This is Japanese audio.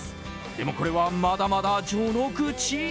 でも、これはまだまだ序の口。